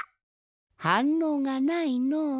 はんのうがないのう。